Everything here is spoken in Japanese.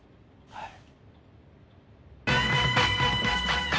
はい。